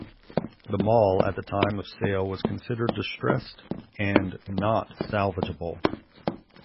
The mall at the time of sale was considered distressed and not salvageable.